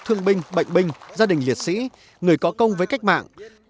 thương binh bệnh binh gia đình liệt sĩ người có công với cách mạng